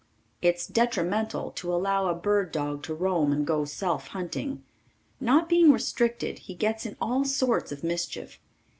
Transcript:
It's detrimental to allow a bird dog to roam and go self hunting. Not being restricted he gets in all sorts of mischief.